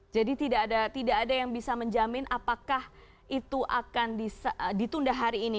jadi tidak ada yang bisa menjamin apakah itu akan ditunda hari ini